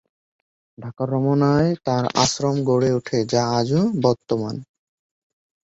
ঢাকার রমনায় তাঁর আশ্রম গড়ে ওঠে যা আজও বর্তমান।